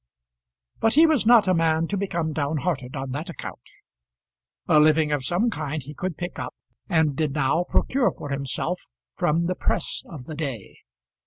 But he was not a man to become downhearted on that account. A living of some kind he could pick up, and did now procure for himself, from the press of the day.